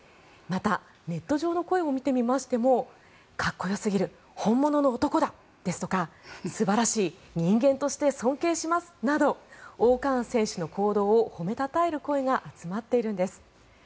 また、ネット上の声を見てみましてもかっこよすぎる本物の男だとか素晴らしい人間として尊敬しますなど−Ｏ−カーン選手の行動を褒めたたえる声が集まっているんです。